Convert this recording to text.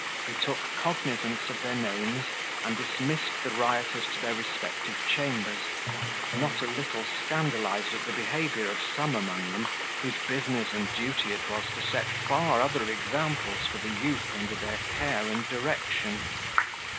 He took cognizance of their names, and dismissed the rioters to their respective chambers, not a little scandalized at the behaviour of some among them, whose business and duty it was to set far other examples for the youth under their care and direction.